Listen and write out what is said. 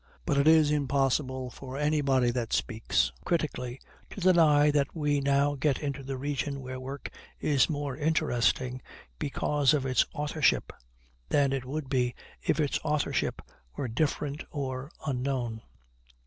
But it is impossible for anybody who speaks critically to deny that we now get into the region where work is more interesting because of its authorship than it would be if its authorship were different or unknown.